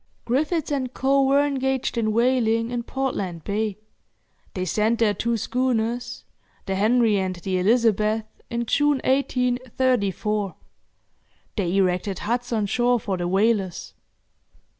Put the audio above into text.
Griffiths & Co. were engaged in whaling in Portland Bay. They sent there two schooners, the 'Henry' and the 'Elizabeth', in June, 1834. They erected huts on shore for the whalers.